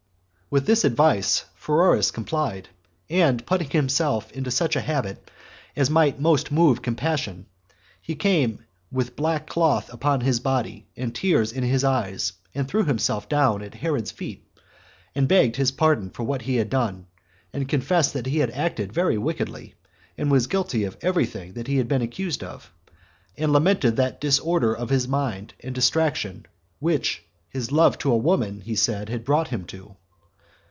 4. With this advice Pheroras complied, and putting himself into such a habit as might most move compassion, he came with black cloth upon his body, and tears in his eyes, and threw himself down at Herod's feet, and begged his pardon for what he had done, and confessed that he had acted very wickedly, and was guilty of every thing that he had been accused of, and lamented that disorder of his mind, and distraction which his love to a woman, he said, had brought him to.